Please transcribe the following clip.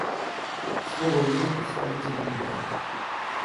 Слово имеет представитель Нигера.